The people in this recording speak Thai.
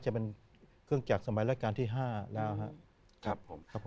จะเป็นเครื่องจัดสมัยและการที่๕แล้วครับ